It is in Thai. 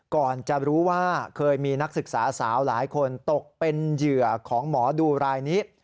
ก่อนจะรู้ว่าเคยมีนักศึกษาสาวหลายคนตกเป็นเหยื่อของหมอดูรายนี้